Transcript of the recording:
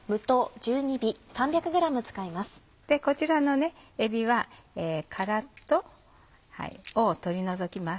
こちらのえびは殻と尾を取り除きます。